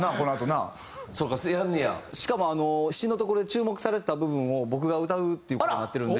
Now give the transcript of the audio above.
しかも詞のところで注目されてた部分を僕が歌うっていう事になってるんで。